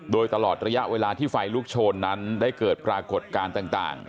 โดยตลอดระยะเวลาที่ไฟลุกโชนนั้นได้เกิดปรากฏการณ์ต่าง